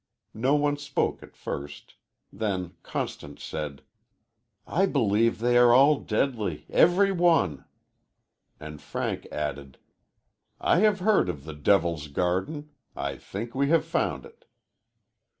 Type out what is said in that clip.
No one spoke at first. Then Constance said: "I believe they are all deadly every one." And Frank added: "I have heard of the Devil's Garden. I think we have found it."